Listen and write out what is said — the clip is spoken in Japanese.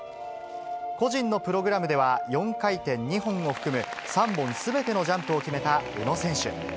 個人のプログラムでは４回転２本を含む、３本すべてのジャンプを決めた宇野選手。